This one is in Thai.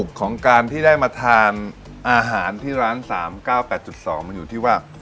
ของการที่ได้มาทานอาหารที่ร้าน๓๙๘๒มันอยู่ที่ว่า